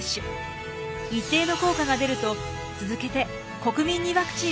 一定の効果が出ると続けて国民にワクチンを接種しました。